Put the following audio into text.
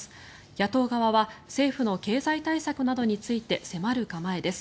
野党側は政府の経済対策などについて迫る構えです。